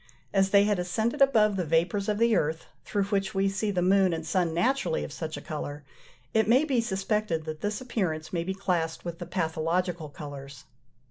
As they had ascended above the vapours of the earth, through which we see the moon and sun naturally of such a colour, it may be suspected that this appearance may be classed with the pathological colours.